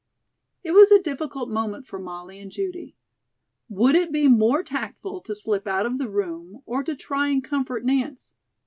It was a difficult moment for Molly and Judy. Would it be more tactful to slip out of the room or to try and comfort Nance?